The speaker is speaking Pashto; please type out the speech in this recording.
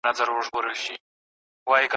راته وګوره په مینه سر کړه پورته له کتابه